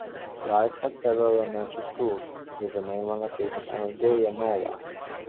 Lajes has several elementary schools with the main one located in Aldeia Nova.